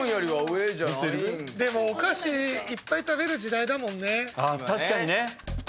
でもお菓子いっぱい食べる時代だもんね。